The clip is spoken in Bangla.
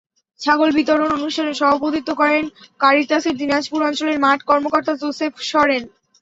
ছাগল বিতরণ অনুষ্ঠানে সভাপতিত্ব করেন কারিতাসের দিনাজপুর অঞ্চলের মাঠ কর্মকর্তা যোসেফ সরেন।